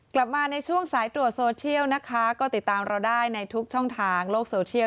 กลับมาในช่วงสายตรวจโซเชียลนะคะก็ติดตามเราได้ในทุกช่องทางโลกโซเชียล